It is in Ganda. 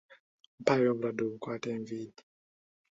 Mpaayo obulwadde obukwata enviiri.